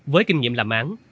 với kinh nghiệm làm án